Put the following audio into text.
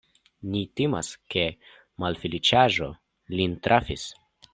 Ni timas, ke malfeliĉaĵo lin trafis.